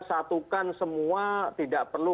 satukan semua tidak perlu